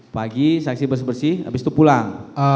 pagi saksi bersih bersih habis itu pulang